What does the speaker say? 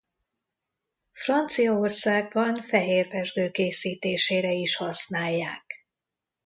Franciaországban fehér pezsgő készítésére is használják.